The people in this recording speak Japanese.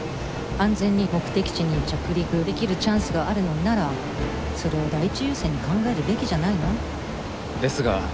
安全に目的地に着陸できるチャンスがあるのならそれを第一優先に考えるべきじゃないの？ですが。